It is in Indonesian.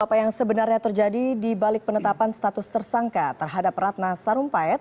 apa yang sebenarnya terjadi di balik penetapan status tersangka terhadap ratna sarumpayat